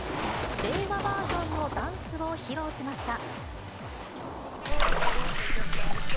令和バージョンのダンスを披露しました。